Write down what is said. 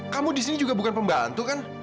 kamu di sini juga bukan pembantu kan